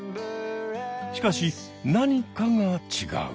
しかし何かが違う。